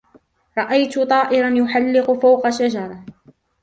رأيتُ طائراً يُحلّقُ فوقَ شجرةٍ.